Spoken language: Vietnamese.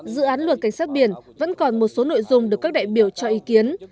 dự án luật cảnh sát biển vẫn còn một số nội dung được các đại biểu cho ý kiến